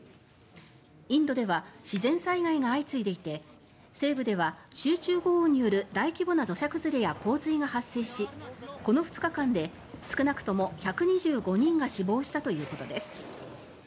インドでは自然災害が相次いでいて西部では集中豪雨による大規模な土砂崩れや洪水が発生しこの２日間で少なくとも１２５人が死亡したということです。